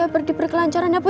biar diberi kelancaran ya puk